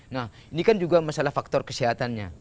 nah ini kan juga masalah faktor kesehatannya